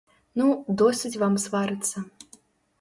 Ну, досыць вам сварыцца!